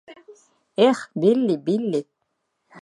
Эх, Билли, Билли!